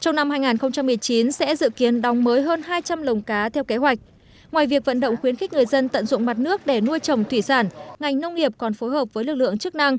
trong năm hai nghìn một mươi chín sẽ dự kiến đóng mới hơn hai trăm linh lồng cá theo kế hoạch ngoài việc vận động khuyến khích người dân tận dụng mặt nước để nuôi trồng thủy sản ngành nông nghiệp còn phối hợp với lực lượng chức năng